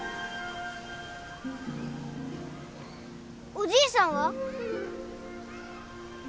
おじいさんは？